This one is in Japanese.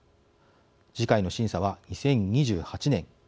次回の審査は２０２８年。